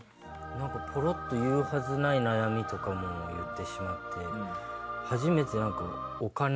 なんかポロッと言うはずない悩みとかも言ってしまって。